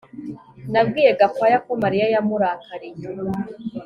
Nabwiye Gakwaya ko Mariya yamurakariye